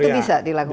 dan itu bisa dilakukan